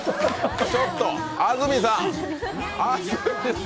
ちょっと安住さん？